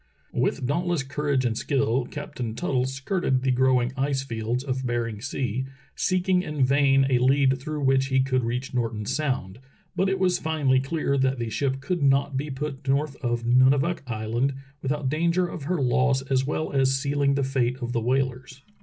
With dauntless courage and skill Captain Tuttle Relief of American Whalers at Point Barrow 273 skirted the growing ice fields of Bering Sea, seeking in vain a lead through which he could reach Norton Sound, Northwestern Alaska. but it was finally clear that the ship could not be put north of Nunavak Island without danger of her loss as well as sealing the fate of the whalers.